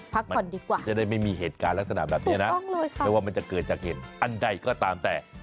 มันจะได้ไม่มีเหตุการณ์ลักษณะแบบนี้นะแต่ว่ามันจะเกิดจากเห็นอันใดก็ตามแต่